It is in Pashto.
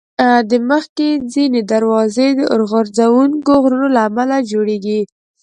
د مځکې ځینې دروازې د اورغورځونکو غرونو له امله جوړېږي.